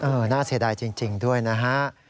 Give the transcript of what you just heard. น่าเสียดายจริงด้วยนะฮะ